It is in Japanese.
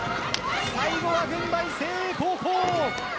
最後は軍配、誠英高校。